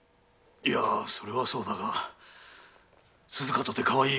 それはそうだが鈴加とてかわいい